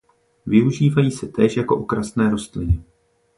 Využívají se též jako okrasné rostliny.